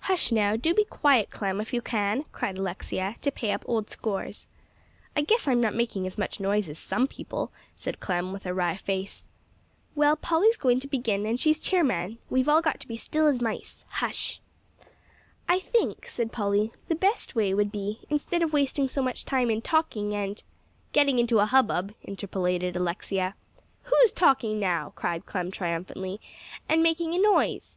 "Hush now, do be quiet, Clem, if you can," cried Alexia, to pay up old scores. "I guess I'm not making as much noise as some other people," said Clem, with a wry face. "Well, Polly's going to begin; and as she's chairman, we've all got to be still as mice. Hush!" "I think," said Polly, "the best way would be, instead of wasting so much time in talking, and " "Getting into a hubbub," interpolated Alexia. "Who's talking now," cried Clem triumphantly, "and making a noise?"